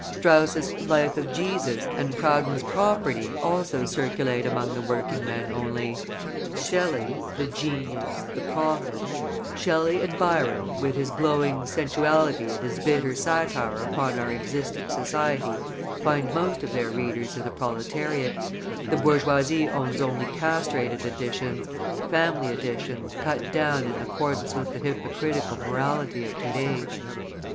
Strauss' "Life of Jesus" and Proudhon's "Property" also circulate among the working men only. Shelley, the genius, the prophet, Shelley, and Byron, with his glowing sensuality and his bitter satire upon our existing society, find most of their readers in the proletariat; the bourgeoisie owns only castrated editions, family editions, cut down in accordance with the hypocritical morality of to day.